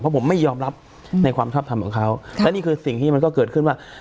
ผมไม่ยอมรับในความชอบทำของเขาและนี่คือสิ่งที่มันก็เกิดขึ้นว่า